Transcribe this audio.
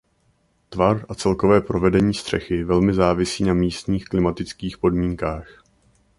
Tvar a celkové provedení střechy velmi závisí na místních klimatických podmínkách.